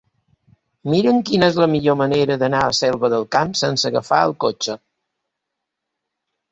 Mira'm quina és la millor manera d'anar a la Selva del Camp sense agafar el cotxe.